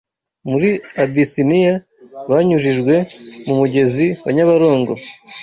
muri Abisiniya banyujijwe mu mugezi wa Nyabarongo